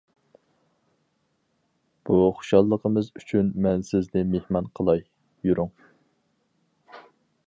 بۇ خۇشاللىقىمىز ئۈچۈن مەن سىزنى مېھمان قىلاي، يۈرۈڭ!